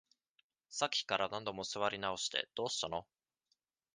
さっきから何度も座り直して、どうしたの？